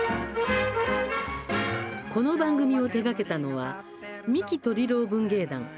この番組を手がけたのは三木鶏郎文芸団。